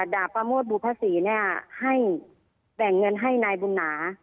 ดาบประโมทภูพภาษีให้แบ่งเงินให้นายบุญหา